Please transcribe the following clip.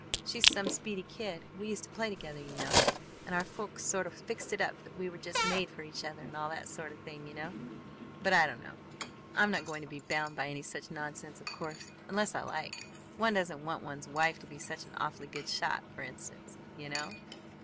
She's some speedy kid! We used to play together, you know, and our folks sorta fixed it up we were just made for each other and all that sorta thing, you know but I don't know I'm not going to be bound by any such nonsense, of course, unless I like. One doesn't want one's wife to be such an awfully good shot, fer instance, you know